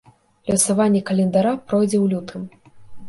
Лёсаванне календара пройдзе ў лютым.